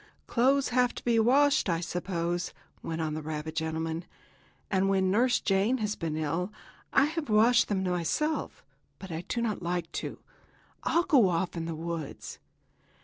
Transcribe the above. Clothes have to be washed, I suppose," went on the rabbit gentleman, "and when Nurse Jane has been ill I have washed them myself, but I do not like it. I'll go off in the woods."